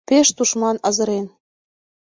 Пеш тушман, азырен...»